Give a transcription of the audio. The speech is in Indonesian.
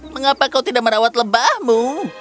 mengapa kau tidak merawat lebahmu